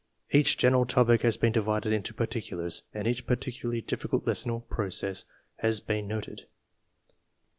Each general topic has been divided into particulars, and each particularly difficult lesson or process has been noted.